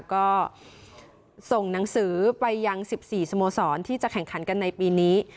ก็ส่งหนังสือไปยัง๑๔สโมสรที่จะแข่งขันกันในปีนี้